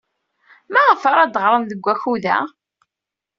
Maɣef ara d-ɣren deg wakud-a?